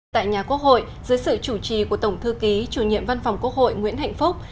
tại nhà quốc hội dưới sự chủ trì của tổng thư ký chủ nhiệm văn phòng quốc hội nguyễn hạnh phúc